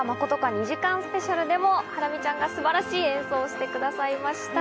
２時間ＳＰ』でもハラミちゃんが素晴らしい演奏をしてくださいました。